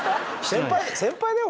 先輩だよ？